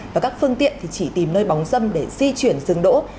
và các phương tiện thì chỉ tìm nơi bóng dâm để di chuyển dừng đỗ